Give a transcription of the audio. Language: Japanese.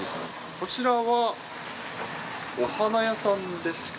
こちらはお花屋さんですか？